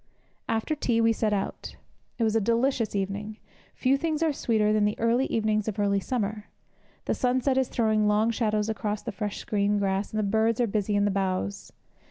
After tea we set out. It was a delicious evening. Few things are sweeter than the early evenings of early summer. The sunset is throwing long shadows across the fresh green grass, and the birds are busy in the boughs.